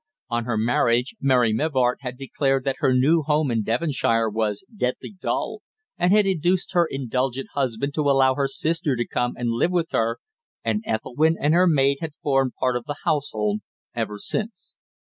On her marriage Mary Mivart had declared that her new home in Devonshire was deadly dull, and had induced her indulgent husband to allow her sister to come and live with her, and Ethelwynn and her maid had formed part of the household ever since.